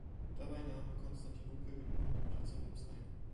Dabei nahm Konstantinopel nun den Platz Roms ein.